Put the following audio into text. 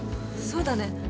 そうだね。